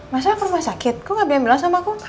masa ke rumah sakit kok gak bilang sama aku